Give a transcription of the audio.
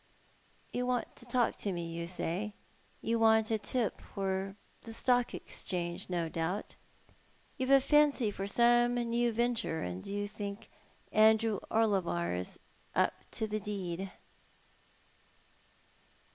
" You want to talk to me, you say. You want a tip for the Stock Exchange, no doubt. You've a fancy for some new venture, and you think Andrew Orlebar is up to the dead."